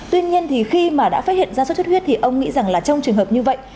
tuy nhiên thì khi mà đã phát hiện ra suất huyết thì ông nghĩ rằng là trong trường hợp như vậy